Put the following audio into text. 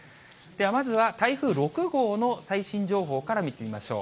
まずは台風６号の最新情報から見てみましょう。